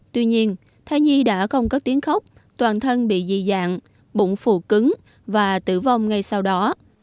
tuy nhiên thai nhi đã không có tiếng khóc toàn thân bị dị dạng bụng phù cứng và tử vong ngay sau đó